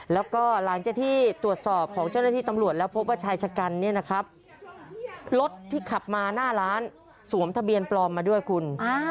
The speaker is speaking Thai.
แล้วก็หลังจากที่ตรวจสอบของเจ้าหน้าที่ตำรวจแล้วพบว่าชายชะกันเนี่ยนะครับรถที่ขับมาหน้าร้านสวมทะเบียนปลอมมาด้วยคุณ